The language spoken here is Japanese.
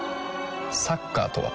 サッカーとは？